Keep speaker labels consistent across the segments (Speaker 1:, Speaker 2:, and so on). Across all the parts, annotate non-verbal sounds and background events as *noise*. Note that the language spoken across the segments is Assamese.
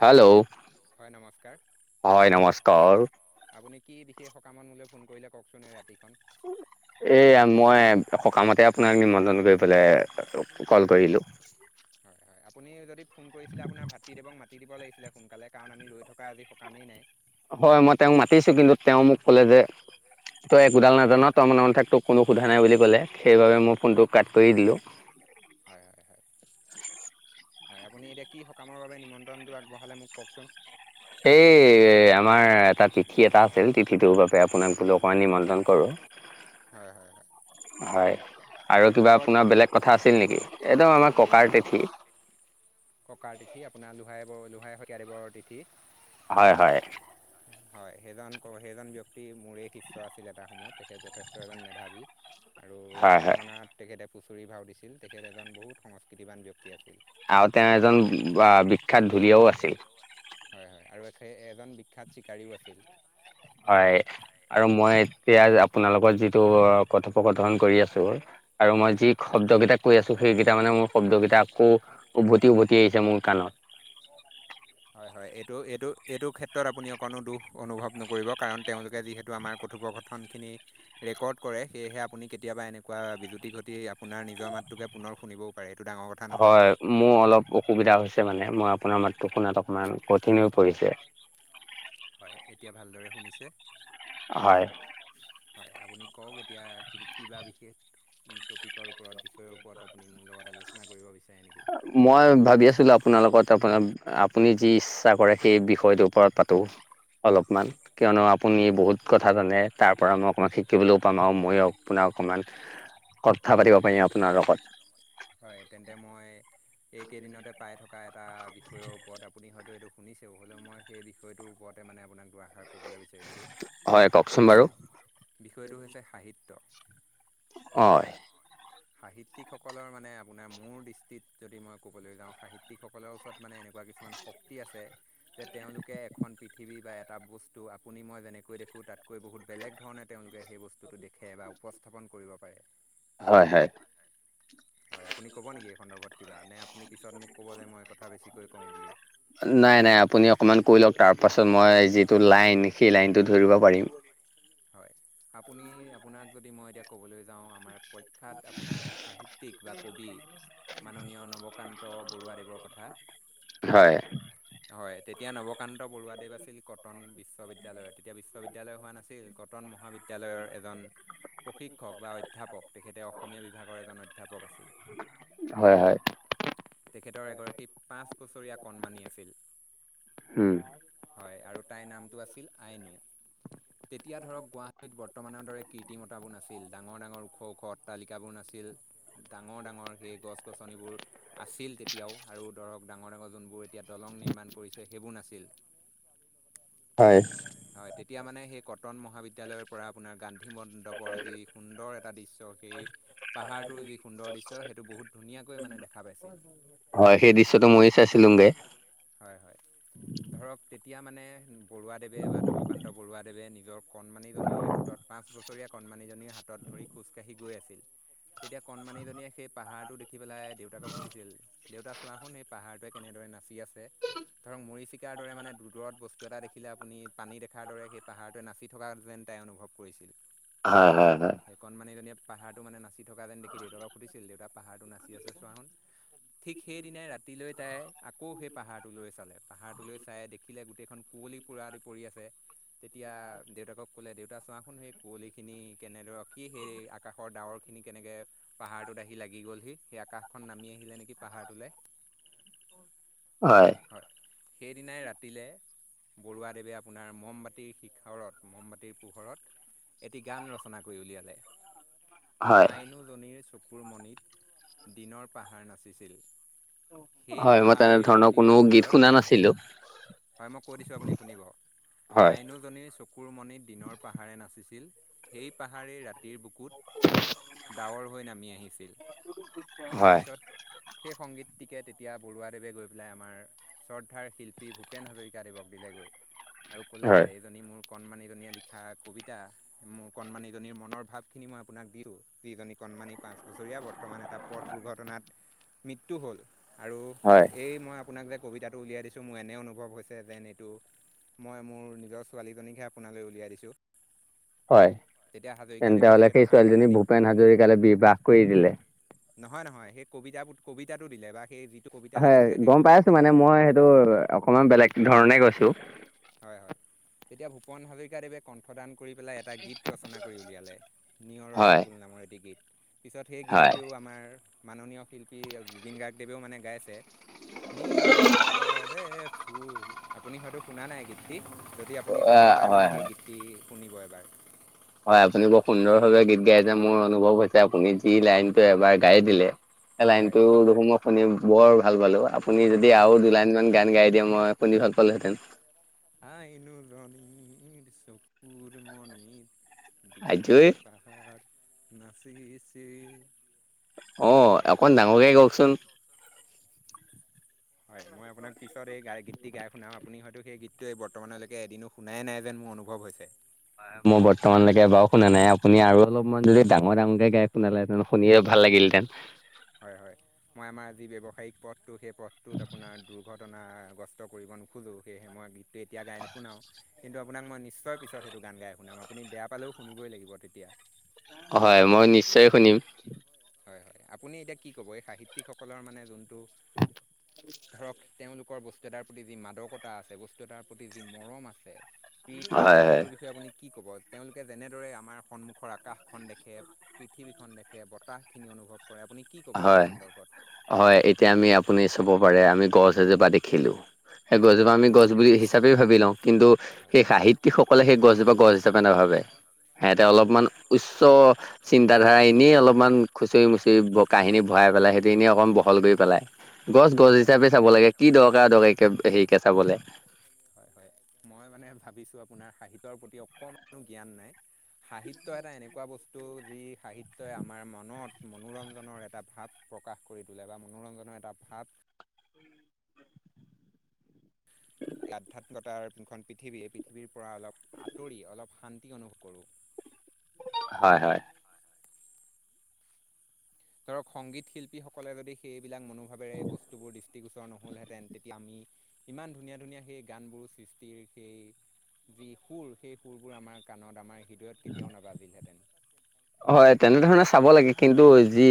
Speaker 1: হেল্ল'
Speaker 2: হয় নমস্কাৰ।
Speaker 1: হয় নমস্কাৰ।
Speaker 2: আপুনি কি বিশেষ সকামত মোলৈ ফোন কৰিলে কওকচোন এই ৰাতিখন।
Speaker 1: এয়া মই সকামতে আপোনাৰ নিমন্ত্ৰণ কৰিব পেলাই। কল কৰিলোঁ
Speaker 2: হয় হয় আপুনি যদি ফোন কৰিছিলে আপোনাৰ ভাতৃদেৱক মাতি দিব লাগিছিলে সোনকালে কাৰণ আমি ৰৈ থকা আজি সকামেই নাই।
Speaker 1: হয় মই তেওঁক মাতিছো কিন্তু তেওঁ মোক কলে যে তই একোডাল নাজান তই মনে মনে থাক তোক কোনো সোধা নাই বুলি ক'লে সেইবাবে মোৰ ফোনটো কাট কৰি দিলো।
Speaker 2: হয় হয় হয়। হয় আপুনি এতিয়া কি সকামৰ বাবে নিমন্ত্ৰণটো আগবঢ়ালে মোক কওঁকচোন
Speaker 1: এই আমাৰ এটা তিথি এটা আছিল তিথিটোৰ বাবে আপোনাক বোলো অকণমান নিমন্ত্ৰণ কৰোঁ। *unintelligible*
Speaker 2: হয় হয় হয়।
Speaker 1: হয় আৰু
Speaker 2: আপোনাৰ
Speaker 1: কিবা
Speaker 2: কিহৰ
Speaker 1: আপোনাৰ
Speaker 2: তিথি
Speaker 1: বেলেগ কথা আছিল নেকি একদম আমাৰ ককাৰ তিথি
Speaker 2: ককাৰ তিথি আপোনাৰ লোহাই ব লোহাই শইকীয়াদেৱৰ তিথি।
Speaker 1: হয় হয়
Speaker 2: হয় সেইজন সেইজন ব্যক্তি মোৰেই শিষ্য আছিল এটা সময়ত তেখেত যথে- ষ্ট এজন মেধাৱী আৰু
Speaker 1: হয় হয়
Speaker 2: ভাওনাত তেখেতে ফুচুৰি ভাও দিছিল তেখেত এজন বহুত সংস্কৃতিবান ব্যক্তি আছিল।
Speaker 1: আৰু তেওঁ এজন আহ বিখ্যাত ধুলীয়াও আছিল।
Speaker 2: হয় হয় আৰু এখে এজন বিখ্যাত চিকাৰীও আছিল।
Speaker 1: হয় আৰু মই এতিয়া আপোনালোকৰ যিটো কথোপকথন কৰি আছো আৰু
Speaker 2: হয়
Speaker 1: মই যি শব্দ কেইটা কৈ আছো সেইকেইটা মানে মোৰ শব্দকেইটা আকৌ উভতি উভতি আহিছে মোৰ কাণত।
Speaker 2: হয় হয় এইটো এইটো এইটো ক্ষেত্ৰত আপুনি অকণো দুখ অনুভৱ নকৰিব কাৰণ তেওঁলোকে যিহেতু আমাৰ কথোপকথনখিনি ৰেকৰ্ড কৰে সেয়েহে আপুনি কেতিয়াবা এনেকুৱা বিজুতি ঘটি আপোনাৰ নিজৰ মাতটোকে পুনৰ শুনিবও পাৰে সেইটো ডাঙৰ কথা নহয়
Speaker 1: হয় মোৰ অলপ অসুবিধা হৈছে মানে মই আপোনাৰ মাতটো শুনাত অকমান কঠিন হৈ পৰিছে।
Speaker 2: হয় এতিয়া ভালদৰে শুনিছে?
Speaker 1: হয়
Speaker 2: হয় আপুনি কওক এতিয়া কি কিবা বিশেষ উ টপিকৰ ওপৰত, বিষয়ৰ ওপৰত আপুনি মোৰ লগত আলোচনা কৰিব বিচাৰে নেকি?
Speaker 1: মই ভাবি আছিলো আপোনাৰ লগত আপোনাৰ আপুনি যি ইচ্ছা কৰে সেই বিষয়টোৰ ওপৰত পাতো। অলপমান
Speaker 2: হয়
Speaker 1: কিয়নো আপুনি বহুত কথা জানে তাৰপৰা মই অকণমান শিকিবলৈও পাম আৰু মইয়ো আপোনাৰ অকণমান কথা পাতিব পাৰিম আপোনাৰ লগত।
Speaker 2: হয় তেন্তে মই এইকেইদিনতে পাই থকা এ- টা বিষয়ৰ ওপৰত আপুনি হয়তো এইটো শুনিছেও হ'লেও মই সেই বিষয়টোৰ ওপৰতে মানে আপোনাক দু-আষাৰ ক'বলে বিচাৰিছোঁ।
Speaker 1: হয় কওঁকচোন বাৰু
Speaker 2: বিষয়টো হৈছে সাহিত্য।
Speaker 1: অ
Speaker 2: সাহিত্যিকসকলৰ মানে আপোনাৰ মোৰ দৃষ্টিত যদি মই ক'বলৈ যাওঁ সাহিত্যিকসকলৰ ওচৰত মানে এনেকুৱা কিছুমান শ- ক্তি আছে যে তেওঁলোকে এখন পৃথিৱী বা এটা বস্তু আপুনি মই যেনেকৈ দেখোঁ তাতকৈ বহুত বেলেগ ধৰণে তেওঁলোকে সেই বস্তুটো দেখে বা উপস্থাপন কৰিব পাৰে।
Speaker 1: হয় হয়
Speaker 2: হয় আপুনি ক'ব নেকি এই সন্দৰ্ভত কিবা নে আপুনি পিছত মোক ক'ব যে মই কথা বেছিকৈ কওঁ বুলি।
Speaker 1: নাই নাই আপুনি অকণমান কৈ লওক তাৰ পাছত মই যিটো লাইন সেই লাইনটো ধৰিব পাৰিম।
Speaker 2: হয়, আপুনি আপোনাক যদি মই এতিয়া ক'বলৈ যাওঁ আমাৰ- প্ৰখ্যাত আপোনাৰ সাহিত্যিক বা কবি- মাননীয় নৱকান্ত বৰুৱাদেৱৰ কথা।
Speaker 1: হয়।
Speaker 2: হয়, হয় তেতিয়া নৱকান্ত বৰুৱাদেৱ আছিল কটন- বিশ্ববিদ্যালয়ৰ তেতিয়া বিশ্ববিদ্যালয় হোৱা নাছিল, কটন মহাবিদ্যালয়ৰ এজন- প্ৰশিক্ষক বা অধ্যাপক, তেখেতে অসমীয়া বিভাগৰ এজন অধ্যাপক আছিল।
Speaker 1: হয় হয়।
Speaker 2: তেখেতৰ এগৰাকী পাঁচ বছৰীয়া কণমানি আছিল।
Speaker 1: হম।
Speaker 2: হয় আৰু তাইৰ নামটো আছিল আইনো। তেতিয়া ধৰক গুৱাহাটীত বৰ্তমানৰ দৰে কীৰ্তিমতাবোৰ নাছিল, ডাঙৰ ডাঙৰ ওখ ওখ অট্টালিকাবোৰ নাছিল। ডাঙৰ ডাঙৰ সেই গছ গছনিবোৰ আছিল তেতিয়াও আৰু ধৰক ডাঙৰ ডাঙৰ যোনবোৰ- এতিয়া দলং নিৰ্মাণ কৰিছে সেইবোৰ নাছিল।
Speaker 1: হয়।
Speaker 2: হয়, তেতিয়া মানে সেই কটন মহাবিদ্যয়ালয়ৰ পৰা আপোনাৰ গান্ধী মণ্ডপৰ যি সুন্দৰ - এটা দৃশ্য, সেই পাহাৰটোৰ যি সুন্দৰ দৃশ্য সেইটো বহুত ধুনীয়াকৈ মানে দেখা পাইছিল।
Speaker 1: হয়, সেই দৃশ্যটো মইও চাইছিলোগে।
Speaker 2: হয় হয়, ধৰক তেতিয়া মানে বৰুৱাদেৱে বা নৱকান্ত বৰুৱাদেৱে নিজৰ কণমানিজনীৰ হাতত পাঁচ বছৰীয়া কণমানিজনীৰ হাতত ধৰি খোজকাঢ়ি গৈ আছিল। তেতিয়া কণমানিজনীয়ে সেই পাহাৰটো দেখি পেলাই দেউতাকক সুধিছিল- দেউতা চোৱাচোন সেই পাহাৰটোৱে কেনেদৰে নাচি আছে। ধৰক মৰিচিকাৰ দৰে মানে দূ দূৰত বস্তু এটা দেখিলে আপুনি পানী দেখাৰ দৰে সেই পাহাৰ- নাচি থকা যেন তাই অনুভৱ কৰিছিল।
Speaker 1: হয়, হয়, হয়।
Speaker 2: কণমানিজনীয়ে পাহাৰটো মানে নাচি থকা যেন দেখি দেউতাকক সুধিছিল, দেউতা- পাহাৰটো নাচি আছে চোৱা চোন, ঠিক সেইদিনাই ৰাতিলৈ তাই- আকৌ সেই পাহাৰটোলৈ চালে, পাহাৰটোলৈ চাই দেখিলে গোটেইখন কুঁৱলী পোৰাদি পৰি আছে। তেতিয়া দেউতাকক ক'লে, দেউতা চোৱা- চোন, সেই কুঁৱলী খিনি কেনেদৰে, কি সেই আকাশৰ ডাৱৰ খিনি কেনেকে- পাহাৰটোত আহি লাগি গ'লহি, সেই আকাশখন নামি আহিলে নেকি পাহাৰটোলৈ।
Speaker 1: হয়।
Speaker 2: হয়, সেইদিনাই ৰাতিলে বৰুৱাদেৱে আপোনাৰ মমবাতি শিক- শিখৰত, মমবাতিৰ পোহৰত এটি গান ৰচনা কৰি উলিয়ালে।
Speaker 1: হয়
Speaker 2: আইনোজনীৰ চকুৰমণিত দিনৰ পাহাৰ নাচিছিল। সেই
Speaker 1: হয় মই
Speaker 2: পাহাৰেই
Speaker 1: তেনেধৰণৰ
Speaker 2: ৰাতিৰ
Speaker 1: কোনো গীত
Speaker 2: আন্ধাৰত
Speaker 1: শুনা
Speaker 2: -
Speaker 1: নাছিলো
Speaker 2: হয়, মই কৈ দিছোঁ আপুনি শুনিব, আইনোত-
Speaker 1: হয়
Speaker 2: আইনোজনীৰ চকুৰ মণিত দিনৰ পাহাৰে নাচিছিল, সেই পাহাৰেই ৰাতিৰ বুকুত- ডাৱৰ হৈ নামি আহিছিল।
Speaker 1: হয়
Speaker 2: তাৰপিছত- সেই সংগীতটিকে তেতিয়া বৰুৱাদেৱে গৈ পেলাই আমাৰ শ্ৰদ্ধাৰ শিল্পী ভূপেন হাজৰিকাদেৱক দিলেগৈ।
Speaker 1: *unintelligible*
Speaker 2: আৰু ক'লে, এইজনী মোৰ কণমানি জনীয়ে লিখা কবিতা। মোৰ কণমানিজনীৰ মনৰ ভাৱ খিনি মই আপোনাক দিলো, যিজনী কণমানি পাঁচ বছৰীয়া। বৰ্তমান এটা- পথ দুৰ্ঘটনাত মৃত্যু হ'ল আৰু-
Speaker 1: হয়।
Speaker 2: এই মই আপোনাক যে কবিতাটো উলিয়াই দিছোঁ মোৰ এনে অনুভৱ হৈছে, যেন এইটো মই মোৰ নিজৰ ছোৱালীকহে আপোনালৈ উলিয়াই দিছোঁ।
Speaker 1: হয়,
Speaker 2: তেতিয়া
Speaker 1: তেন্তে
Speaker 2: হাজৰিকাদেৱে
Speaker 1: হলে
Speaker 2: তেখেতক
Speaker 1: সেই
Speaker 2: সান্তনা
Speaker 1: ছোৱালীজনীক
Speaker 2: দি
Speaker 1: ভূপেন হাজৰিকালে বিবাহ কৰি দিলে।
Speaker 2: নহয়, নহয় সেই কবিতা কবিতাটো দিলে, বা সেই কবিতা
Speaker 1: হয়,
Speaker 2: লিখিছিলে সেই
Speaker 1: গম পাই আছো
Speaker 2: কবিতাটো
Speaker 1: মানে
Speaker 2: দিলে
Speaker 1: মই সেইটো অকমান বেলেগ ধৰণে কৈছো।
Speaker 2: হয় হয়। তেতিয়া ভূপনাজৰিক দেৱে কণ্ঠদান কৰি পেলাই এটা গীত ৰচনা কৰি উলিয়ালে নিয়ৰৰে
Speaker 1: হয়
Speaker 2: ফুল নামৰ এটি গীত। পিছত সেই
Speaker 1: হয়
Speaker 2: গীতটোও আমাৰ মাননীয় শিল্পী জুবিন গাৰ্গদেৱেও মানে গাইছে। নিয়, ৰে, ফুল আপুনি হয়তো শুনা নাই গীতি, যদি আপুনি
Speaker 1: আহ
Speaker 2: সময়
Speaker 1: হয়
Speaker 2: পাই মানে
Speaker 1: হয়
Speaker 2: সেই গীতটি শুনিব এবাৰ।
Speaker 1: হয়, আপুনি বৰ সুন্দৰভাৱে গীত গাই যে মোৰ অনুভৱ হৈছে আপুনি যি লাইনটো এবাৰ গাই দিলে। এ, লাইন
Speaker 2: হয়
Speaker 1: টো দেখো মই শুনি বৰ ভাল পালো আপুনি যদি
Speaker 2: হয়
Speaker 1: আৰু দুই লাইন মান গান গাই, দিয়ে মই শুনি ভাল পালোহেঁতেন।
Speaker 2: আইন ৰণিৰ চকুৰ মণিৰ
Speaker 1: আইঐ
Speaker 2: দিনৰ পা *unintelligible* আৰু নাচিছিলি *unintelligible*
Speaker 1: অ, অকন ডাঙৰকে গায়কচোন।
Speaker 2: হয় মই আপোনাক পিছত এই গ গীতটি গাই শুনাম। আপুনি হয়তো সেই গীতটোৱে বৰ্তমানলৈকে এদিনো শুনাই নাই যেন মোৰ অনুভৱ হৈছে।
Speaker 1: মই বৰ্তমানলৈকে বাৰুনা নাই আপুনি আৰু অলপমান যদি ডাঙৰ ডাঙৰকে গায়ক শুনালেহেতেন। শুনিয়ে ভাল লাগিলহেঁতেন।
Speaker 2: হয় হয় মই আমাৰ যি ব্যৱসায়িক পথ। তো সেই পথটোত আপোনাৰ দুৰ্ঘটনাগ্ৰস্ত কৰিব নোখোজোঁ সেয়েহে মই গীতটো এতিয়া গাই নুশুনাওঁ। কিন্তু আপোনাক মই নিশ্চয় পিছত সেইটো গান গাই শুনাম, আপুনি বেয়া পালেও শুনই লাগিব তেতিয়া।
Speaker 1: হয় মই নিশ্চয় শুনিম।
Speaker 2: হয় হয়, আপুনি এতিয়া কি ক'ব এই সাহিত্যিকসকলৰ মানে যোনটো। ধৰক তেওঁলোকৰ বস্তু এটাৰ প্ৰতি যি মাদকতা আছে বস্তু এটাৰ প্ৰতি যি মৰম আছে। প্ৰীতি
Speaker 1: হয়
Speaker 2: আছে
Speaker 1: হয়
Speaker 2: সেইটোৰ বিষয়ে আপুনি কি ক'ব। তেওঁলোকে যেনেদৰে আমাৰ সন্মুখৰ আকাশখন দেখে, পৃথিৱীখন দেখে বতাহখিনি অনুভৱ কৰে। কৰে আপুনি কি ক'ব
Speaker 1: হয়
Speaker 2: সেই সন্দৰ্ভত।
Speaker 1: হয়, এতিয়া আমি আপুনি চব পাৰে আমি গছ এজোপা দেখিলো সেই
Speaker 2: হয়
Speaker 1: গছজোপা আমি গছ বুলি হিচাপে, ভাবি লওঁ কিন্তু
Speaker 2: হয়
Speaker 1: সেই সাহিত্যিক সকলে সেই গছজোপা গছ হিচাপে নাভাবে। সিহঁতে
Speaker 2: হয়
Speaker 1: অলপমান উচ্চ চিন্তাধাৰা এনেই অলপমান খুচৰি মুচৰি। কাহিনী ভৰাই পেলাই সেইখিনি অকণ বহল কৰি পেলাই। গছ
Speaker 2: হয় হয়
Speaker 1: গছ
Speaker 2: হয়
Speaker 1: হিচাপে চাব লাগে। কি দৰকাৰ দৰকাৰীে হেৰিকে চাব লাগে।
Speaker 2: হয় হয় মই মানে ভাবিছোঁ আপোনাৰ সাহিত্যৰ প্ৰতি অকণমানো জ্ঞান নাই। সাহিত্য এটা এনেকুৱা বস্তু। যি সাহিত্যই আমাৰ মনত মনোৰঞ্জনৰ এটা ভাৱ প্ৰকাশ কৰি তোলে বা মনোৰঞ্জনৰ এটা ভাৱ। ভাব। আধাত্মতাৰ যোনখন পৃথিৱী এই পৃথিৱীৰ পৰা অলপ আঁতৰি অলপ শান্তি অনুভৱ কৰোঁ।
Speaker 1: হয় হয়।
Speaker 2: ধৰক সংগীত শিল্পীসকলে যদি সেইবিলাক মনোভাৱেৰে বস্তুবোৰ দৃষ্টিগোচৰ নহ'লহেঁতেন তেতিয়া আমি। ইমান ধুনীয়া- ধুনীয়া সেই গানবোৰ সৃষ্টিৰ সেই যি সুৰ সেই সুৰবোৰ আমাক। কাণত আমাৰ হৃদয়ত কেতিয়াও নাবাজিলহেঁতেন।
Speaker 1: হয়, তেনেধৰণে চাব লাগে কিন্তু যি।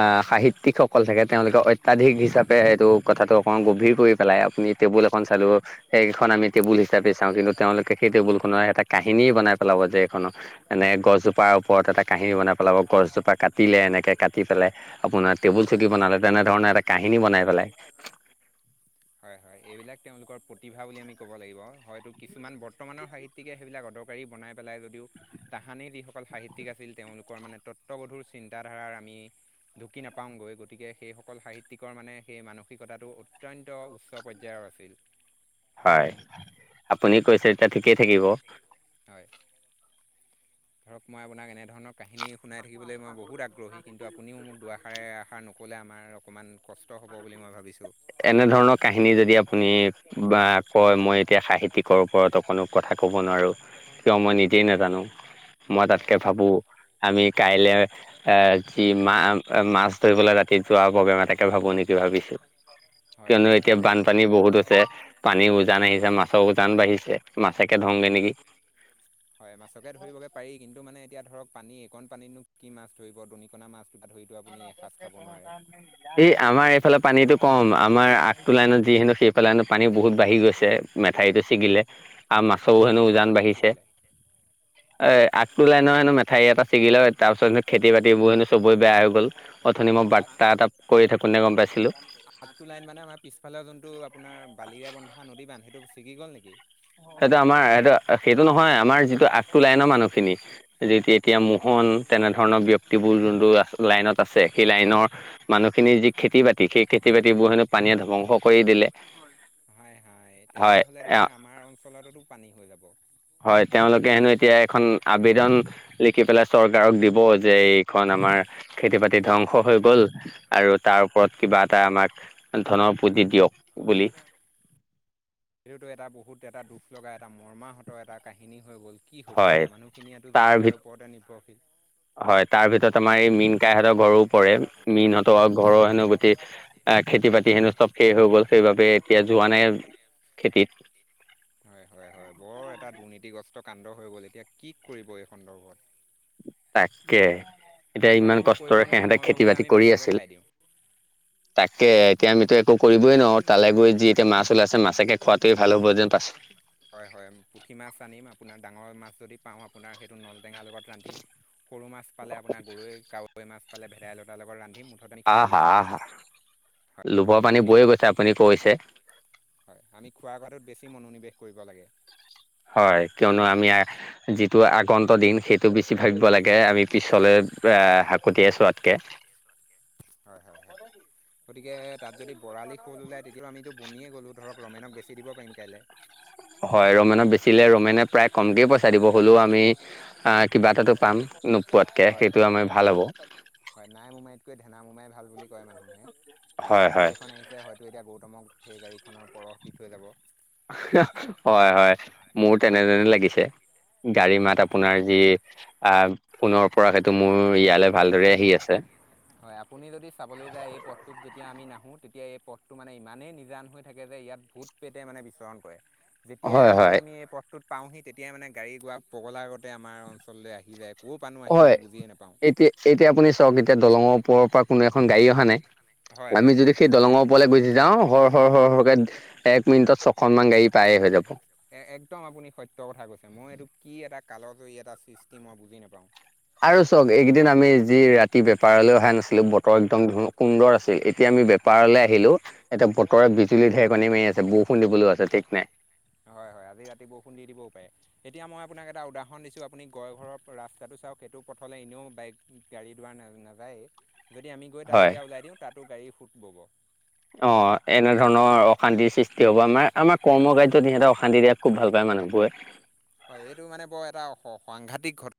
Speaker 1: আহ সাহিত্যিকসকল থাকে তেওঁলোকে অত্যাধিক হিচাপে সেইটো কথাটো অকণমান গভীৰ কৰি পেলাই আপুনি টেবুল এখন চালো সেইখন আমি টেবুল হিচাপে চাওঁ কিন্তু তেওঁলোকে সেই টেবুল খনৰ এটা কাহিনী বনাই পেলাব যে এইখন এনে গছজোপাৰ ওপৰত এটা কাহিনী বনাই পেলাব গছজোপা কাটিলে এনেকৈ কাটি পেলাই আপোনাৰ টেবুল চকী
Speaker 2: হয়
Speaker 1: বনালে তেনে ধৰণে এটা কাহিনী বনাই পেলাই
Speaker 2: হয় হয় এইবিলাক তেওঁলোকৰ প্ৰতিভা বুলি আমি ক'ব লাগিব হয়তো কিছুমান বৰ্তমানৰ সাহিত্য গতিকে সেইবিলাক অদৰকাৰী বনাই পেলাই যদিও তাহানি যিসকল সাহিত্যিক আছিল তেওঁলোকৰ মানে তত্ববধুৰ চিন্তাধাৰাৰ আমি ঢুকি নাপাওঁগৈ গতিকে সেইসকল সাহিত্যিকৰ মানে সেই মানসিকতাটো অত্যন্ত অত্যন্ত উচ্চ পৰ্যায়ৰ আছিল
Speaker 1: হয় আপুনি কৈছে যেতিয়া ঠিকেই থাকিব
Speaker 2: হয় ধৰক মই আপোনাক এনেধৰণৰ কাহিনী শুনাই থাকিবলৈ মই বহুত আগ্ৰহী কিন্তু আপুনিও মোক দুুৱাষাৰে ষাৰ নক'লে আমাৰ অকণমান কষ্ট হ'ব বুলি মই ভাবিছো
Speaker 1: এনে ধৰণৰ কাহিনী যদি আপুনি বা কয় মই এতিয়া সাহিত্যিকৰ ওপৰত অকনো কথা ক'ব নোৱাৰো কিয় মই নিজেই নাজানো মই
Speaker 2: হয়
Speaker 1: তাতকে
Speaker 2: আপুনি
Speaker 1: ভাবো আমি কাইলে এ যি মা মাছ ধৰিবলৈ ৰাতি যোৱা প্ৰগ্ৰেম এটাকে এটা ভাবো নেকি ভাবিছো
Speaker 2: হয়
Speaker 1: কিয়নো
Speaker 2: হয়
Speaker 1: এতিয়া
Speaker 2: কাইলৈ
Speaker 1: বানপানী বহুত হৈছে ছে পানী উজান আহিছে মাছৰ উজান বাঢ়িছে মাছেকে ধয়োংগে নেকি
Speaker 2: হয় মাছকে ধৰিবগে পাৰি কিন্তু মানে এতিয়া ধৰক পানী এইকণ পানীনো কি মাছ ধৰিব দনিকণা মাছ ধৰিব
Speaker 1: *unintelligible* এই আমাৰ এইফালে পানীটো কম আমাৰ আগটো লাইনত যিহেতু সেইফালে লাইনত পানী বহুত বাঢ়ি গৈছে মেঠাৰিটো ছিগিলে আৰু মাছো
Speaker 2: ক'ৰ
Speaker 1: হেনো উজান
Speaker 2: মাথাউৰিটো
Speaker 1: বাঢ়িছে
Speaker 2: ছিগিলে
Speaker 1: এ আগটো লাইন হেনো মাঠাওৰী এটা ছিগিলে অ তাৰপিছত খেতি- বাতিবোৰ হেনো চবৰে বেয়া হৈ গ'ল। অথনি মই
Speaker 2: আ
Speaker 1: বাৰ্তা এটা কৰি থাকোনে গম পাইছিলোঁ।
Speaker 2: আগটো লাইন মানে আমাৰ পিছফালৰ যোনটো আপোনাৰ বালিয়ে বন্ধা নদী বান্ধ সেইটো ছিগি গ'ল নেকি
Speaker 1: সেইটো আমাৰ সেটো সেইটো নহয় আমাৰ যিটো আগটো লাইনৰ মানুহখিনি। যে এতি এতিয়া মোহন তেনেধৰণৰ ব্যক্তিবোৰ যোনটো আছে লাইনত আছে সেই লাইনৰ। মানুহখিনিৰ যি খেতি- বাতি সেই খেতি- বাতিবোৰ হেনো পানীয়ে ধ্বংস কৰি দিলে।
Speaker 2: হয় হয় তেনেকে হ'লে
Speaker 1: হয়
Speaker 2: দেখোন আমাৰ অঞ্চলতো পানী হৈ যাব।
Speaker 1: হয় তেওঁলোকে হেনো এতিয়া এখন আবেদন লিখি পেলাই চৰকাৰক দিব যে এই খন আমাৰ খেতি বাতি ধ্বংস হৈ গ'ল আৰু তাৰ ওপৰত কিবা এটা আমাক ধনৰ পুঁজি দিয়ক বুলি
Speaker 2: সেইটোতো এটা বহুত এটা দুখ লগা এটা মৰ্মাহত এটা কাহিনী হৈ গ'ল কি হ'ব
Speaker 1: হয়
Speaker 2: এতিয়া মানুহখিনিয়েটো
Speaker 1: তাৰ ভিত
Speaker 2: জীৱিকাৰ ওপৰতে নিৰ্ভৰশীল।
Speaker 1: হয় তাৰ ভিতৰত আমাৰ এই মীন কাইহঁতৰ ঘৰও পৰে মীনহঁতৰ ঘৰৰ হেনো গোটেই। আ খেতি বাতি হেনো চব শেষ হৈ গ'ল সেইবাবে এতিয়া যোৱা নাই খেতিত
Speaker 2: হয় হয় হয় বৰ এটা দুৰ্নীতিগ্ৰস্ত কাণ্ড হৈ গ'ল এতিয়া কি কৰিব এই সন্দৰ্ভত
Speaker 1: তাকে এতিয়া
Speaker 2: আমিতো
Speaker 1: ইমান
Speaker 2: একো কৰিব
Speaker 1: কষ্টৰে
Speaker 2: নোৱাৰোঁ
Speaker 1: সিঁহতে
Speaker 2: মই ভাবোঁ
Speaker 1: খেতি
Speaker 2: যে
Speaker 1: বাতি
Speaker 2: আমি
Speaker 1: কৰি
Speaker 2: মাছকে
Speaker 1: আছিল
Speaker 2: খাই দিওঁ
Speaker 1: তাকে এতিয়া আমিতো একো কৰিবই নোৱাৰো তালৈ গৈ যি এতিয়া মাছ ওলাইছে মাছকে খোৱাতোৱে ভাল হ'ব যেন পাইছো
Speaker 2: হয় হয় পুঠি মাছ আনিম আপোনাৰ ডাঙৰ মাছ যদি পাওঁ আপোনাৰ সেইটো নলটেঙাৰ লগত ৰান্ধিম সৰু মাছ পালে আপোনাৰ গৰৈ, কাৱৈ, মাছ পালে ভেদাইলতাৰ লগত ৰান্ধিম
Speaker 1: আহ আহ
Speaker 2: হয় হয়
Speaker 1: লোভৰ পানী
Speaker 2: আমি
Speaker 1: বৈ গৈছে আপুনি কৈছে
Speaker 2: হয় আমি খোৱা বোৱাটোত বেছি মনোনিৱেশ কৰিব লাগে
Speaker 1: হয় কিয়নো আমি আই যিটো আগন্ত দিন সেইটো বেছি ভাবিব লাগে, আৰু পিছলৈ হা-হাকতিয়াই চোৱাতকে।
Speaker 2: হয়, হয়, হয়। গতিকে তাত যদি বৰালি, শ'ল ওলায় তেতিয়াতো আমিতো বনিয়ে গ'লোঁ ধৰক ৰমেনক বেছি দিব পাৰিম কাইলে।
Speaker 1: হয় ৰমেনক বেচিলে, ৰমেনে প্ৰায় কমকে পইচা দিব হ'লও আমি আহ কিবা এটাটো পাম নোপোৱাতকে,
Speaker 2: হয়
Speaker 1: সেইটো আমাৰ ভাল হ'ব।
Speaker 2: হয় নাই মোমাইতকৈ ধেনা মোমাই ভাল বুলি কয় মানুহে,
Speaker 1: হয়
Speaker 2: গাড়ী
Speaker 1: হয়
Speaker 2: এখন আহিছে হয় তো এতিয়া গৌতমক সেই গাড়ীখনৰ পৰশ দি থৈ যাব।
Speaker 1: অহ ' হয়, হয় মোৰ তেনে - যেনে লাগিছে, গাড়ী
Speaker 2: হয়
Speaker 1: মাত আপোনাৰ যি আহ, ফোনৰ পৰা সেইটো মোৰ ইয়ালৈ ভালদৰে আহি আছে।
Speaker 2: হয় আপুনি যদি চাবলৈ যায়, এই পথটোত যেতিয়া আমি নাহো তেতিয়া এই পথটো মানে ইমানেই নিজান হৈ থাকে যে ইয়াত ভূত-প্ৰেতে মানে বিচৰণ কৰে। যেতিয়াই
Speaker 1: হয়
Speaker 2: আহি
Speaker 1: হয়
Speaker 2: আমি এই পথটোত পাওঁহি তেতিয়াই মানে গাড়ী- গোৰা পগলা আগতে আমাৰ অঞ্চললৈ আহি যায়। ক'ৰ পানো আহে মই
Speaker 1: কয়
Speaker 2: বুজিয়ে নাপাওঁ
Speaker 1: এতিয়া - এতিয়া আপুনি চাওক, এতিয়া দলঙৰ ওপৰৰ পৰা কোনো এখন গাড়ী অহা
Speaker 2: হয়
Speaker 1: নাই আমি
Speaker 2: হয়
Speaker 1: যদি সেই দলঙৰ ওপৰলৈ গুচি যাওঁ হৰ, হৰ, হৰ, হৰকে এক মিনিটত ছখনমান গাড়ী পায়ে হৈ যাব।
Speaker 2: এ-একদম আপুনি সত্য কথা কৈছে। মই এইটো কি এটা কালজৰি এটা সৃষ্টি মই বুজি নাপাওঁ।
Speaker 1: আৰু চওঁক, এইকেইদিন আমি যি ৰাতি বেপাৰলৈ অহা নাছিলো, বতৰ একদম ধু- সুন্দৰ আছিল। এতিয়া আমি বে পাৰলৈ আহিলো এতিয়া বতৰে বিজুলী, ঢেৰকণী মাৰি আছে, বৰষুণ দিবলৈও আছে ঠিক নাই।
Speaker 2: হয়, হয় আজি ৰাতি বৰষুণ দি দিবও পাৰে। এতিয়া মই আপোনাক এটা উদাহৰণ দিছো, আপুনি গৈ ঘৰৰ ৰাস্তাটো চাওক সেইটো পথলৈ এনেও বাইক গাড়ী- দুৱাৰ না- নাযায়েই, যদি আমি গৈ তাত
Speaker 1: হয়
Speaker 2: এতিয়া ওলাই দিওঁ তাতো গাড়ীৰ সুত বব।
Speaker 1: অ', এনেধৰণৰ অশান্তিৰ সৃষ্টি হ'ব, আমাৰ- আমাৰ কৰ্ম কাৰ্যত সিহঁতে অশান্তি দিয়া খুব ভাল পায় মানুহবোৰে।
Speaker 2: হয় এইটো মানে বৰ এটা অ স - সাংঘাতিক ঘট